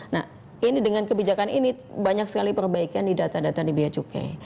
nah ini dengan kebijakan ini banyak sekali perbaikan di data data di biaya cukai